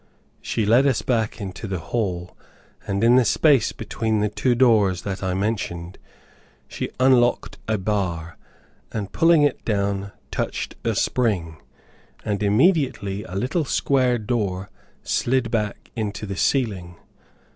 She led us back into the hall, and in the space between the two doors that I mentioned, she unlocked a bar, and pulling it down, touched a spring, and immediately a little square door slid back into the ceiling.